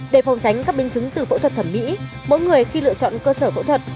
để phòng tránh các biến chứng từ phẫu thuật thẩm mỹ mỗi người khi lựa chọn cơ sở phẫu thuật